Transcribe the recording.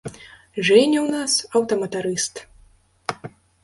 Жэня ў нас аўтаматарыст.